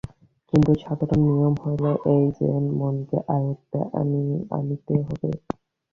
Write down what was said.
কিন্তু সাধারণ নিয়ম হইল এই যে, মনকে আয়ত্তে আনিতে হইবে।